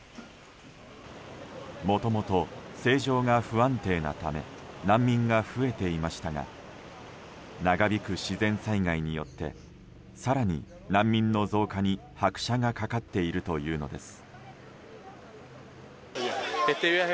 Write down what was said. もともと政情が不安定なため難民が増えていましたが長引く自然災害によって更に難民の増加に拍車がかかっているというのです。